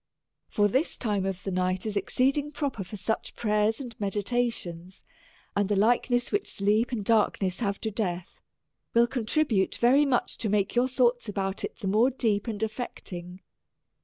For this time of the night is exceeding pro per for such prayers and meditations ; and the like ness which sleep and darkness have to death will con tribute very much to make your thoughts about it the more deep. and affecting.